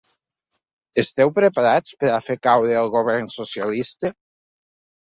Esteu preparats per a fer caure el govern socialista?